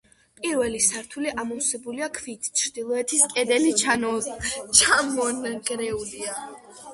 პირველი სართული ამოვსებულია ქვით, ჩრდილოეთის კედელი ჩამონგრეულია.